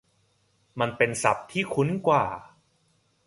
มันเป็นศัพท์ที่คุ้นกว่า